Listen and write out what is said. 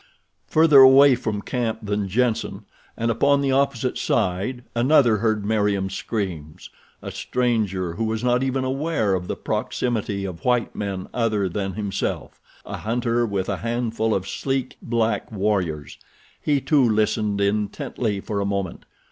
Further away from camp than Jenssen and upon the opposite side another heard Meriem's screams—a stranger who was not even aware of the proximity of white men other than himself—a hunter with a handful of sleek, black warriors. He, too, listened intently for a moment.